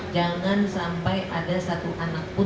jangan sampai ada satu anak pun